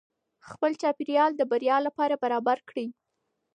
خپل چاپیریال د بریا لپاره برابر کړئ.